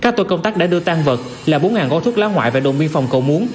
các tối công tác đã đưa tan vật là bốn bao thuốc lá ngoại và đồng biên phòng cầu muốn